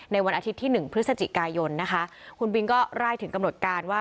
วันอาทิตย์ที่๑พฤศจิกายนนะคะคุณบินก็ไล่ถึงกำหนดการว่า